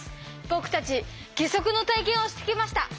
僕たち義足の体験をしてきました。